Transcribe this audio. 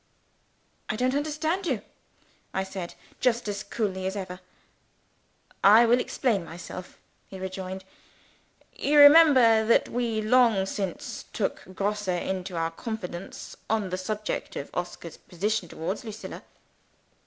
"I don't understand you," I said just as coolly as ever. "I will explain myself," he rejoined. "You remember that we long since took Grosse into our confidence, on the subject of Oscar's position towards Lucilla?"